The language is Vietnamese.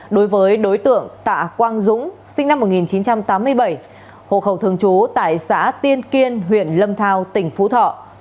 đối với đối tượng tạ quang dũng sinh năm một nghìn chín trăm tám mươi bảy hộ khẩu thường trú tại xã tiên kiên huyện lâm thao tỉnh phú thọ